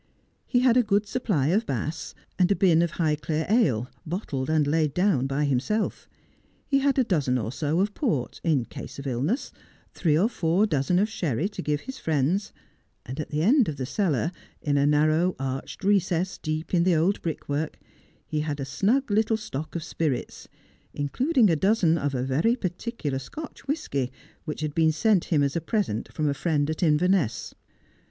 He Lad a good supply of Bass, and a bin of Highclere ale, bottled and laid down by himself. He had a dozen or so of port in case of illness, three or four dozen of sherry to give his friends ; and at the end of the cellar, in a narrow arched recess deep in the old brickwork, he had a snug little stock of spirits, including a dozen of a very particular Scotch whisky which had been sent him as a present from a friend at Inverness.